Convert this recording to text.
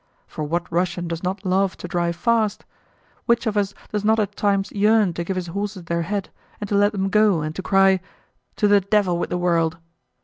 For what Russian does not love to drive fast? Which of us does not at times yearn to give his horses their head, and to let them go, and to cry, "To the devil with the world!"?